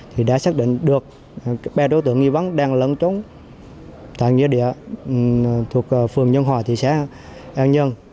thì đã xác định được ba đối tượng nghi vấn đang lẫn trốn tại nghĩa địa thuộc phường nhân hòa thị xã an nhân